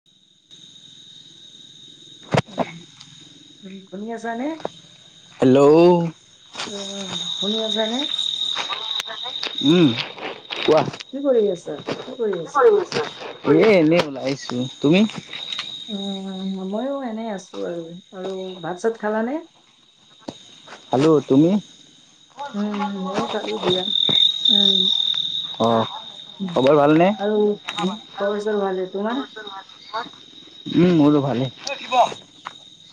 [inaudible] উম, উম, শুনি আছা নে? হেল্ল' উম, শুনি আছানে? উম, কোৱা? কি কৰি আছা? কি কৰি আছা? এ এনেই ওলাই‌ আহিছো, তুমি? উম, ময়ো এনেই আছো আৰু, আৰু ভাত-চাত খালানে? খালো‌, তুমি? উম, ময়ো খালো দিয়া, উম। অ খবৰ ভালনে আৰু খবৰ-চবৰ ভালে, তোমাৰ? উম, মোৰো ভালেই।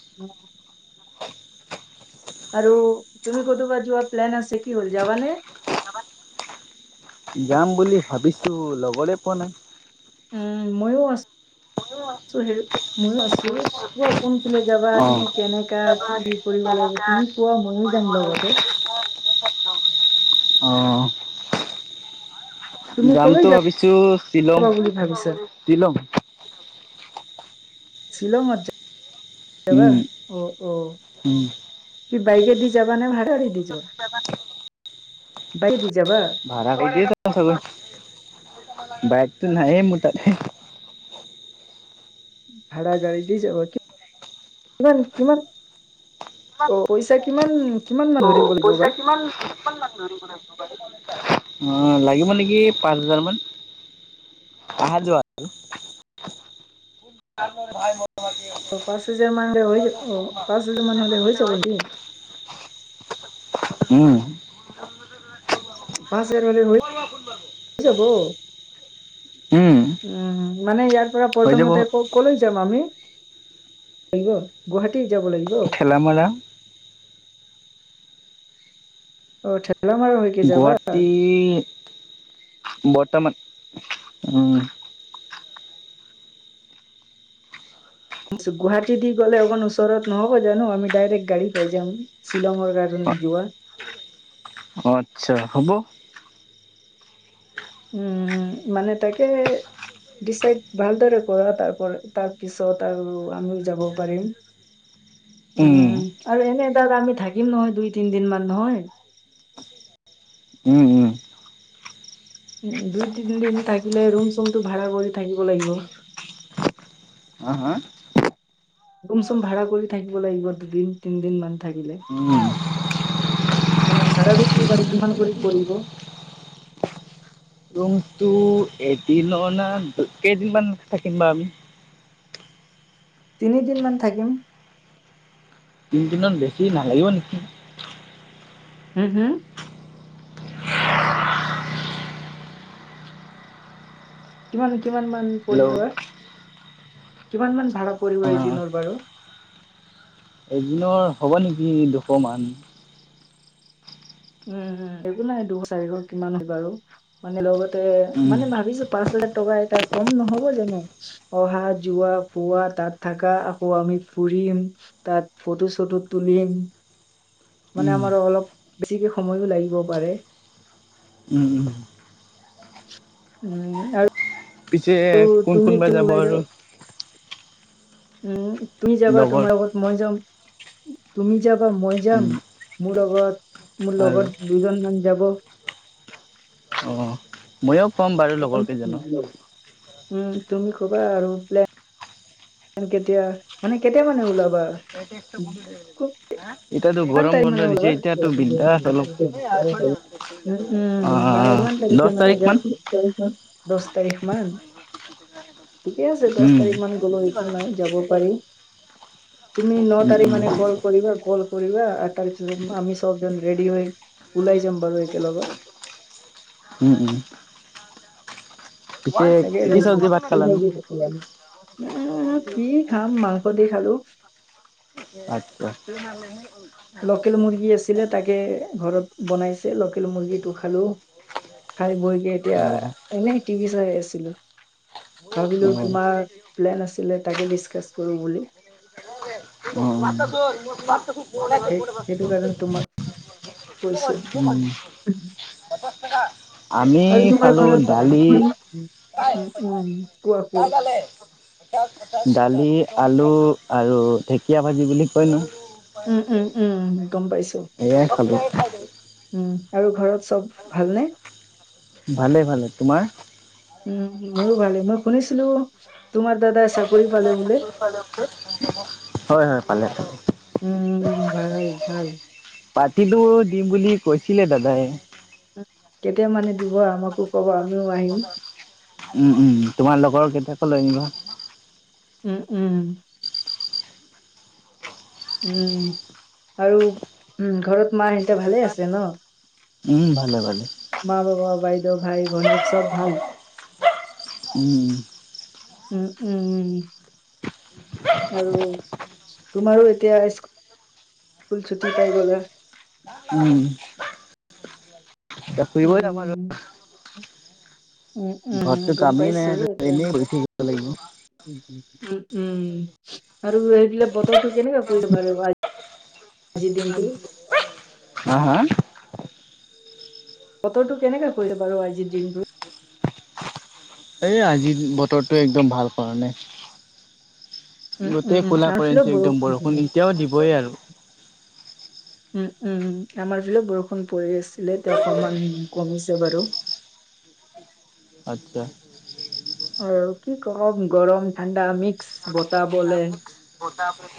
[unintelligible] আৰু তুমি ক'তোবা যোৱা প্লেন আছে কি হ'ল যাবানে? যাম বুলি ভাবিছো লগৰে পোৱা নাই। উম, ময়ো আছোঁ সেই ময়ো আছোঁ। কোৱা কোনফালে যাবা অ তুমি কেনেকা কি কৰিব লাগে তুমি কোৱা ময়ো যাম লগতে। অ'। তুমি কলৈ যামতো ভাবিছো শ্বিলং যাবা বুলি ভাবিছা? শ্বিলং। শ্বিলংত যাবা উম অ' অ'। উম কি বাইকে দি যাবা নে ভাড়া গাড়ীৰে দি যাবা? বাইকে দি যাবা। ভাড়া কৰি দিয়ে যাম চাগৈ, বাইকটো নাইয়ে মোৰ তাত। ভাড়া গাড়ী দি যাবা কিমান কিমান অ', পইচা কিমান কিমান মান ধৰি পইচা কিমান অ', লাগিব নেকি পাঁচ হাজাৰ মান। আহা যোৱা আৰু [unintelligible] অ', পাঁচ হাজাৰ মান হ'লে হৈ যাব অ' পাঁচ হাজাৰ মান হ'লে হৈ যাব নেকি? উম। পাঁচ হাজাৰ মান হ'লে হৈ যাব? উম, উম মানে ইয়াৰ পৰা হৈ যাব প্ৰথমতে ক'লৈ যাম আমি? গুৱাহাটী যাব লাগিব? [inaudible] অ', [unintelligible] গুৱাহাটী বৰ্তমান উম। গুৱাহাটী দি গ'লে অকণ ওচৰত নহ'ব জানো আমি ডাইৰেক্ট গাড়ী পাই যাম। শ্বিলংৰ অ কাৰণে যোৱা। অ', আচ্ছা হ'ব। উম, মানে তাকে ডিচাইড ভালদৰে কৰা তাৰপ তাৰ পিছত আৰু আমি যাব পাৰিম। উম, আৰু এনে তাত আমি থাকিম নহয় দুই তিন দিন মান নহয়। উম, উম। উম, দুই তিনিদিন থাকিলে ৰুম চুমটো ভাড়া কৰি থাকিব লাগিব। হা হা? ৰুম চুম ভাড়া কৰি থাকিব লাগিব দুদিন তিনদিন মান থাকিলে। উম। মানে ভাড়া [unintelligible] ৰুমটো [unintelligible] কেইদিনমান থাকিম বা আমি। তিনিদিন মান থাকিম। তিনিদিনত বেছি নালাগিব নেকি? হম, হম? কিমান কিমান মান হেল্ল' পৰিব এ কিমান মান ভাড়া অ পৰিব এদিনৰ বাৰু? এদিনৰ হ'ব নেকি দুশ মান। উম, উম, একো নাই দুশ চাৰিশ কিমান হয় বাৰু। মানে লগতে উম মান ভাবিছো পাঁচ হাজাৰ টকা এটা কম নহ'ব জানো? অহা যোৱা ফুৰা খোৱা তাত থাকা আকৌ আমি ফুৰিম। তাত ফটো চটো তুলিম। মানে উম আমাৰ অলপ বেছিকে সময়ো লাগিব পাৰে। উম, উম। উম, আৰু পিছে কোন তুমি কোন বা তুমি যাব ওলাই আৰু? যাবা উম, তুমি যাবা লগৰ তোমাৰ আগত মই যাম তুমি যাবা মই উম যাম। মোৰ লগত, মোৰ আৰু লগৰ দুজন মান যাব। অহ। ময়ো ক'ম বাৰ। উম তুমি খুবা আৰু পোলে মান কেতিয়া মানে কেতিয়া মানে ওলাবা। খু এতিয়াতো কিমান গৰম টাইম বন্ধ মানে দিছে ওলাবা। এতিয়াতো বিন্দাছ অলপ উ উম অ মানে ইমান দহ তাৰিখে মানে তাৰিখ যাম। মান তাৰিখ মান দছ তাৰিখ মান ঠিকে আছে দছ উম তাৰিখ মান গ'লো। আ যাব পাৰিম তুমি ন উম তাৰিখ উম মানে কল কৰিবা কল কৰিবা আৰ তাৰপিছত আমি সব জন ৰেড্ডী হৈ ওলাই যাম বাৰু একে লগত। উম উম। পিছে তাকে এ কি চব্জি ভাত খালানো? কি খাম মাংস দি খালো। আঠটা। লকেল মুৰ্গী আছিলে তাকে ঘৰত বনাইছে লকেল মুৰ্গীটো খালো খাই বৈকে এতিয়া অ', এনেই টিভি চাই আছিলো ভাবিলো অ', অ'। উম, তোমাৰ প্লেন আছিলে তাকে ডিচকাছ কৰোঁ বুলি। অ অ। সেই সেইটো কাৰণে তোমাক কৈছো উম। আমি আৰু তোমাৰ খালো ঘৰত দালি উম উম উম কোৱা কোৱা। দালি আলু আৰু ঢেকীয়া ভাজি বুলি কয় নহয়। উম উম উম গম পাইছো এয়াই খালো। উম, আৰু ঘৰত চব ভালনে? ভালে ভালে তোমাৰ? উম মোৰো ভালে মই শুনিছিলো তোমাৰ দাদাই চাকৰি পালে বোলে। হয় হয় পালে। উম, ভাল ভাল। পাৰ্টিটো দিম বুলি কৈছিলে দাদাই। কেতিয়া মানে দিব আমাকো কব আমিও আহিম উম উম তোমাৰ লগৰ কেইটাকো লৈ আনিবা। উম উম। উম আৰু উ ঘৰত মা এহতে ভালে আছে ন? উম ভালে ভালে ম বাবা বাইদেউ ভাই- ভণীক চব ভাল উম উ উ আৰু তোমাৰো এতিয়া ইচ স্কুল ছুটি পাই গলা উম [unintelligible] আৰু উম উম উম ঘৰততো গম কামেই নাই পাইছো আৰু এতিয়া এনেই বহি থাকিব লাগিব। উম উম আৰু এইবিলাক বতৰটো কেনেকুৱা কৰিছে [unintelligible] আজিৰ দিনটো? হা হা বতৰটো কেনেকুৱা কৰিলে বাৰু আজি দিনটো? এই আজিৰ বতৰটো একদম ভাল কৰা নাই। উম, উম, গোটেই উম, ক'লা আমাৰ ফালেও কৰিছে একদম বৰষুণ, এতিয়াও দিবই আৰু। উম, উম। আমাৰ জোৰে বৰষুণ পৰি আছিলে, এতিয়া অকমান কমিছে বাৰু। আচ্ছা। অঁ, কি কম গৰম, ঠাণ্ডা মিক্স বতাহ বলে। বতাহ বলে।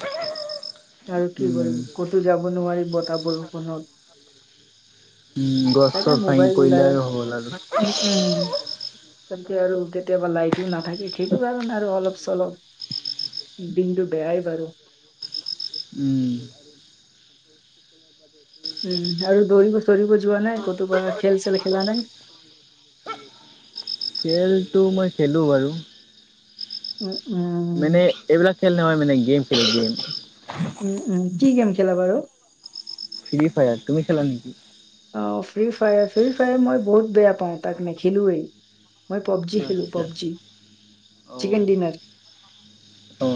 [unintelligible] আৰু কি কৰিম? ক'তো যাব নোৱাৰি বতাহ বৰষুণত! উম, গছ তাকে -চছ ভাঙি মোবাইল পৰিলে ওলাই আৰু হ'ল আৰু। উম, আহ। তাকে আৰু কেতিয়াবা লাইটো নাথাকে। সেইটো কাৰণে আৰু অলপ- চলপ- দিনটো বেয়াই বাৰু। উম। উম আৰু দৌৰিব -চৌৰিব যোৱা নাই? ক'তো বল খেল- চেল খেলা নাই? খেলটো মই খেলো বাৰু। উম, উম। মানে এইবিলাক খেল নহয় মানে গেম খেলো গেম। উম, উম। কি গেম খেলা বাৰু? ফ্ৰী ফায়াৰ, তুমি খেলা নেকি? অঁ, ফ্ৰী ফায়াৰ। ফ্ৰী ফায়াৰ মই বহুত বেয়া পাওঁ, তাক নেখেলোৱেই। মই পবজি খেলো, আচ্ছা পবজি অ চিকেন ডিনাৰ। অ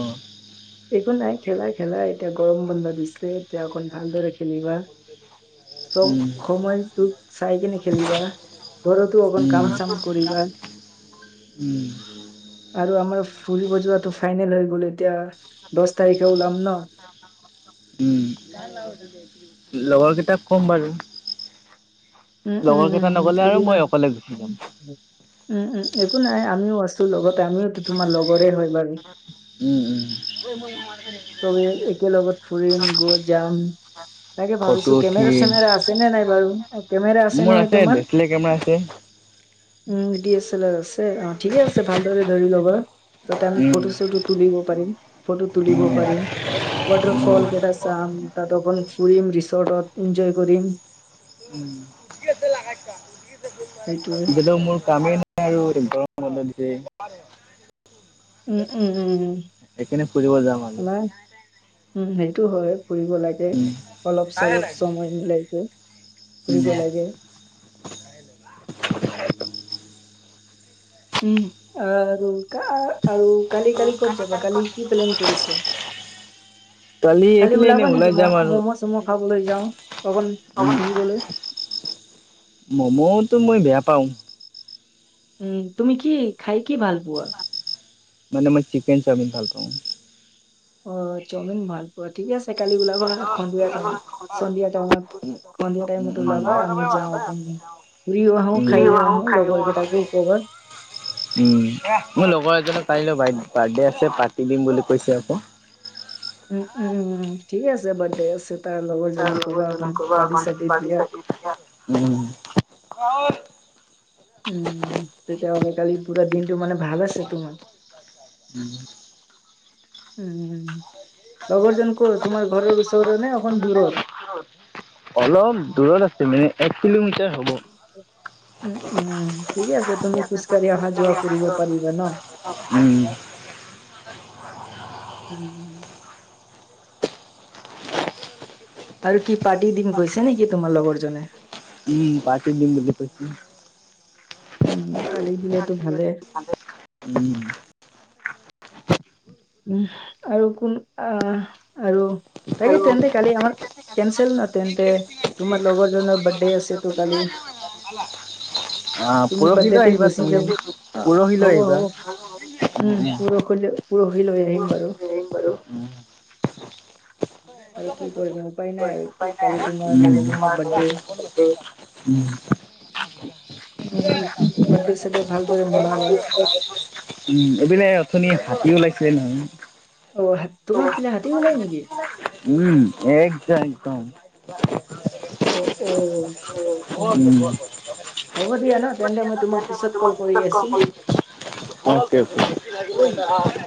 একো নাই খেলা খেলা, এতিয়া গৰম বন্ধ দিছে এতিয়া অকণ ভালদৰে খেলিবা। ত' উম সময়টোক চাই কিনে খেলিবা, ঘৰতো অকণ উম কাম -চাম কৰিবা। [unintelligible] উম। আৰু আমাৰ ফুৰিব যোৱাটো ফাইনেল হৈ গ'ল। এতিয়া- দহ তাৰিখে ওলাম ন? উম। লগৰ কেইটাক কম বাৰু, উম উম লগৰ উম কেইটা উম নগ'লে আৰু ফুৰিবা মই অকলে গুচি যাম। উম, উম। একো নাই আমিও আছো লগতে, আমিওটো তোমাৰ লগৰে হয় বাৰু। উম, উম। [unintelligible] তুমি একেলগত লগত ফুৰিম গৈ যাম। উ তাকে [unintelligible] ফটো ভাবিছো কেমেৰা উঠিম। চেমেৰা আছে নে নাই বাৰু অ কেমেৰা মোৰ নহয় আছে তোমাৰ ডিএচলাৰ কেমেৰা আছে। হয়। উম, ডিএছলাৰ আছে। অঁ, ঠিকে আছে ভালদৰে ধৰি ল'বা। তাতে আমি উম ফটো- চটো- তুলিব পাৰিম, ফটো তুলিব- পাৰিম। ৱাটাৰ ফল কেইটা চাম, তাত অকণ ফুৰিম ৰিচৰ্টত এনজয় কৰিম। [unintelligible] সেইটোৱে ধৰি ল মোৰ কামেই নাই আৰু গৰম বন্ধ দিছে। উম, উম, উম, উম, সেইকাৰণে ফুৰিব যাম আৰু। আমাৰ উম, সেইটো হয় ফুৰিব লাগে। উম তাকে অলপ -চলপ সময় মিলাই গৈ ফুৰিব উম লাগে। উম, আৰু- আৰু- কালি কালি ক'ত যাবা কালি কি প্লেন কৰিছ? কালি এইফালে এনে ওলাবা নেকি ওলাই ম যাম আৰু ম'ম' চম' খাবলৈ যাওঁ অকণ ফুৰিবলৈ? মম'তো মই বেয়া পাওঁ। উম, তুমি কি খাই কি ভাল পোৱা? মানে মই চিকেন চামিন ভাল পাওঁ। অ', চাওমিন ভাল অ', ঠিক আছে কালি ওলাবা সন্ধিয়া টাইম সন্ধিয়া টাইমত সন্ধিয়া টাইমত। উম ত' উম ওলাবা আমি যাওঁ আপ ফুৰিও আহো খাইও আহো লগৰ কেইটাকো ক'বা। উম, মোৰ লগৰ এজনৰ কাইলৈ ব বাৰ্থডে আছে পাৰ্টি দিম বুলি কৈছে আকৌ। উম, উম, উম ঠিকে আছে বাৰ্থডে আছে তাৰ লগৰজনক ক'বা আ'ক পাৰ্টি চাৰ্টি দিয়া। উম। উম, তেতিয়াহ'লে কালি পুৰা দিনটো মানে ভাল আছে তোমাৰ। উম [unintelligible] উম, লগৰজন ক'ৰ তোমাৰ ঘৰৰ ওচৰ নে অকন দূৰৰ? অলপ দূৰত আছে মানে এক কিলোমিটাৰ হ'ব। উম, উম ঠিকে আছে, তুমি খোজকাঢ়ি অহা যোৱা কৰিব পাৰিবা ন? উম। উম। [unintelligible] আৰু কি পাৰ্টি দিম কৈছে নেকি তোমাৰ লগৰজনে? উম, পাৰ্টি দিম বুলি কৈছে। উম, পাৰ্টি দিলেতো ভালেই। উম। উ আৰু কোন আহ আৰু তাকে তেন্তে কালি আমাৰ কেনচেল ন তেন্তে, তোমাৰ লগৰজনৰ বাৰ্থডে আছে কালি? অ', তুমি পৰহিলৈ বাৰ্থডেতে আহিবা গুচি তুমি যাব অ হ'ব পৰহিলৈ হ'ব আহিবা। উম, পৰহি পৰহিলৈ আহিম বাৰু। উম। আৰু কি কৰিবা উপায় নাই আৰু। কি কালি তোমাৰ উম, লগৰজনৰ বাৰ্থডে উম। উম, বাৰ্থডে চাৰ্থডে ভালদৰে মনাবা। উম, এইপিনে অথনি হাতী ওলাইছিলে নহয়। অ', তোমাৰ পিনে হাতী ওলাই নেকি? উম, এক জাক একদম। অ', অ' উম। হ'ব দিয়া ন, তেন্তে মই তোমাক পিছত ক'ল কৰি আছো অ'কে, অ'কে।